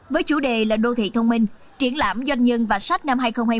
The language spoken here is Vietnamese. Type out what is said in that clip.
với chủ đề là đô thị thông minh triển lãm doanh nhân và sách năm hai nghìn hai mươi